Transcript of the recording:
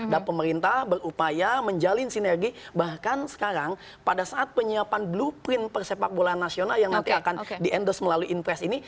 dan pemerintah berupaya menjalin sinergi bahkan sekarang pada saat penyiapan blueprint persepak bola nasional yang nanti akan diendos melalui infres ini